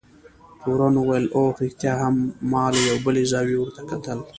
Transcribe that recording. تورن وویل: اوه، رښتیا هم، ما له یوې بلې زاویې ورته کتل.